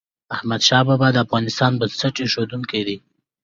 احمد شاه بابا د افغانستان بنسټ ایښودونکی ده.